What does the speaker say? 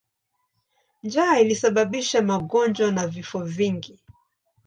Njaa ilisababisha magonjwa na vifo vingi.